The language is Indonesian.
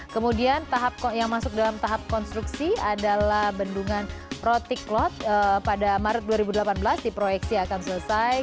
kemudian yang masuk dalam tahap konstruksi adalah bendungan protiklot pada maret dua ribu delapan belas diproyeksi akan selesai